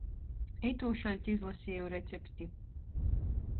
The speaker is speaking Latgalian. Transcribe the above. Itūšaļt izlasieju receptu...